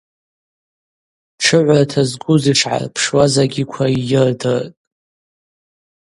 Тшыгӏвра тызгуз йшгӏарпшуаз агьиква ййырдыртӏ.